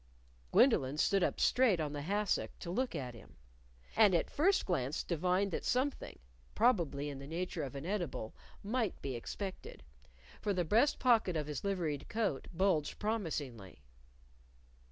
Gwendolyn stood up straight on the hassock to look at him. And at first glance divined that something probably in the nature of an edible might be expected. For the breast pocket of his liveried coat bulged promisingly.